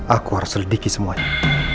aku harus lediki semuanya